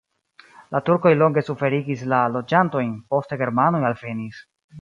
La turkoj longe suferigis la loĝantojn, poste germanoj alvenis.